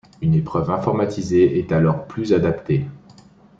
Une épreuve informatisée est alors plus adaptée.